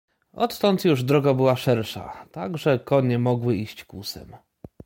"Odtąd już droga była szersza, tak, że konie mogły iść kłusem."